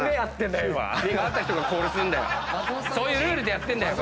そういうルールでやってるんだよ